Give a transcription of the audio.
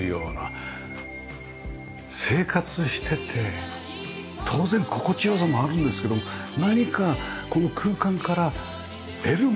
生活してて当然心地良さもあるんですけど何かこの空間から得るものはありますよね。